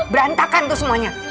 berantakan tuh semuanya